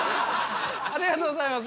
ありがとうございます。